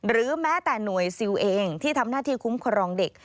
แม้แต่หน่วยซิลเองที่ทำหน้าที่คุ้มครองเด็ก